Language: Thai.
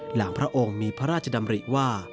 พระองค์มีพระราชดำริว่า